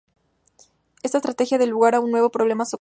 Esa estrategia da lugar a un nuevo problema socrático.